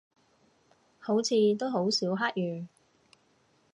好似都好少黑雨